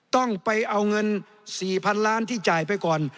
ต้องไปเอาเงิน๔๐๐๐ล้านที่จ่ายไปก่อน